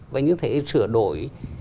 và như thế sửa đổi